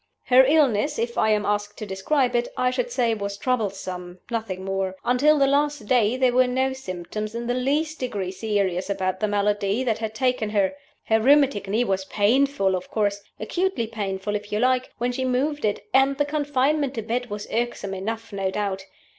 "Her illness, if I am asked to describe it, I should say was troublesome nothing more. Until the last day there were no symptoms in the least degree serious about the malady that had taken her. Her rheumatic knee was painful, of course acutely painful, if you like when she moved it; and the confinement to bed was irksome enough, no doubt.